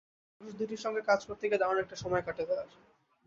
খরগোশ দুটির সঙ্গে কাজ করতে গিয়ে দারুণ একটা সময় কাটে তাঁর।